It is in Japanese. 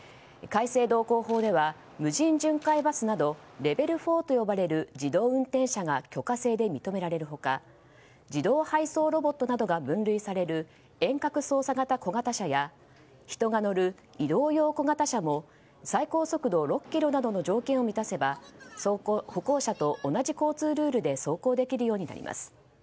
改正道交法では無人巡回バスなどレベル４と呼ばれる自動運転車が許可制で認められる他自動配送ロボットなどが分類される遠隔操作型小型車や人が乗る移動用小型車も最高速度６キロなどの条件を満たせば歩行者と同じ交通ルールで走行できることになります。